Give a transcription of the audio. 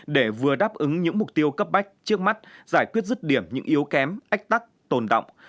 để vừa đáp ứng những mục tiêu cấp bách trước mắt giải quyết rứt điểm những yếu kém ách tắc tồn động